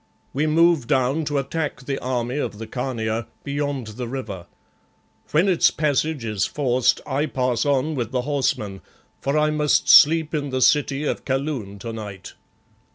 We move down to attack the army of the Khania beyond the river. When its passage is forced I pass on with the horsemen, for I must sleep in the city of Kaloon to night.